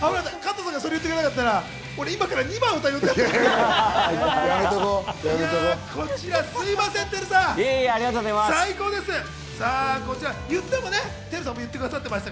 加藤さんがそれ言ってくれなかったら、今から２番を歌うところだったよ。